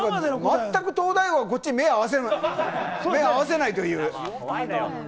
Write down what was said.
全く東大王がこっちに目を合わせないという。